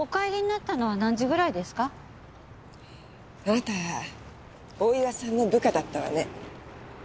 あなた大岩さんの部下だったわね。